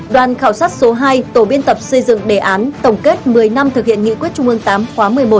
đoàn khảo sát số hai tổ biên tập xây dựng đề án tổng kết một mươi năm thực hiện nghị quyết trung ương tám khóa một mươi một